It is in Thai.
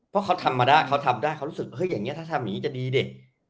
เพราะเขาทำมาได้เขาทำได้เขารู้สึกเฮ้ยอย่างนี้ถ้าทำอย่างนี้จะดีเด็ก